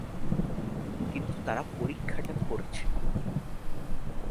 কিন্তু তারা পরীক্ষাটা করছে কীভাবে?